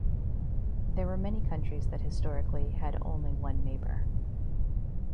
There were many countries that historically had only one neighbour.